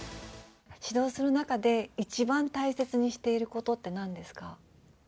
指導する中で、一番大切にしていることってなんですか？